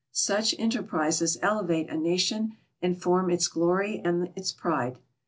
Such enterprises elevate a nation and form its glory and its pride.